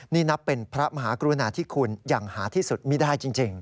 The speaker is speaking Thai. นี่นับเป็นพระมหากรุณาที่คุณอย่างหาที่สุดไม่ได้จริง